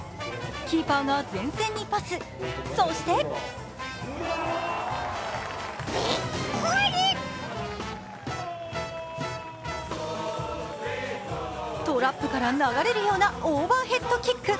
キーパーが前線にパス、そしてトラップから流れるようなオーバーヘッドキック。